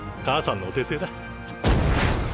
母さんのお手製だ。